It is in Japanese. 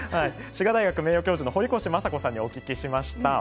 滋賀大学名誉教授の堀越昌子さんにお聞きしました。